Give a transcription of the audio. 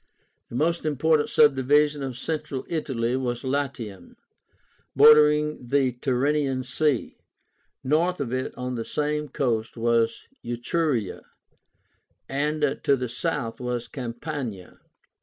The most important subdivision of Central Italy was LATIUM, bordering on the Tyrrhenian Sea. North of it on the same coast was ETRURIA, and to the south was CAMPANIA.